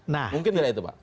nah mungkin nggak itu pak